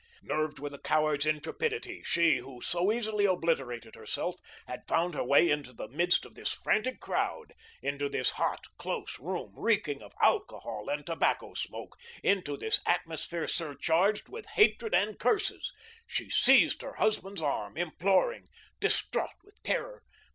Nerved with a coward's intrepidity, she, who so easily obliterated herself, had found her way into the midst of this frantic crowd, into this hot, close room, reeking of alcohol and tobacco smoke, into this atmosphere surcharged with hatred and curses. She seized her husband's arm imploring, distraught with terror.